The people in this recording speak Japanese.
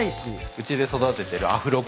うちで育ててるアフロコーンです。